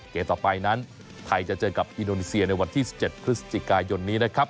เกมต่อไปนั้นไทยจะเจอกับอินโดนีเซียในวันที่๑๗พฤศจิกายนนี้นะครับ